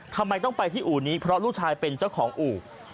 ทำไมต้องไปที่อู่นี้เพราะลูกชายเป็นเจ้าของอู่